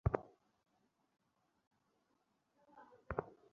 অর্জুন আর সেই মেয়ে ব্রিজে আছে।